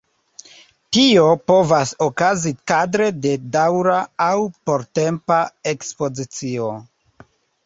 Tio povas okazi kadre de daŭra aŭ portempa ekspozicio.